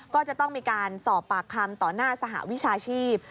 ก็จะต้องมีการสอบปากคำต่อหน้าสหวิชาชีพ